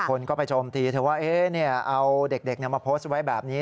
คนก็ไปชมทีเธอว่าเอ๊ะเนี่ยเอาเด็กมาโพสต์ไว้แบบนี้